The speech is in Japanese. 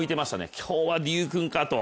今日は有君かと。